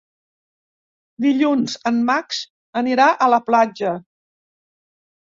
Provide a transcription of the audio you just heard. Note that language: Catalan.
Dilluns en Max anirà a la platja.